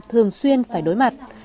thường xuyên phải đối mặt